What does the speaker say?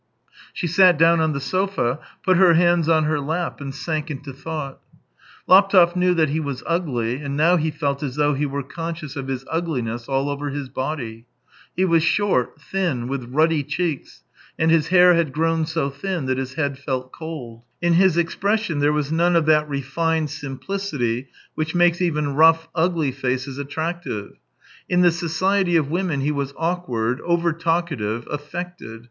She sat down on the sofa, put her hands on her lap, and sank into thought. Laptev knew that he was ugly, and now he felt as though he were conscious of his ugliness all over his body. He was short, thin, with ruddy cheeks, and his hair had grown so thin that his head felt cold. In his expression there was none of that refined simplicity which makes even rough, ugly faces attractive; in the society of women, he was awkward, over talkative, affected.